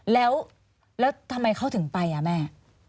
แล้วทำไมเขาถึงไปอ่ะแม่